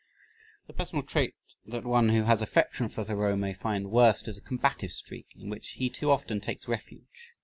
The personal trait that one who has affection for Thoreau may find worst is a combative streak, in which he too often takes refuge.